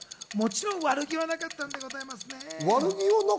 悪気はなかったんではございますね。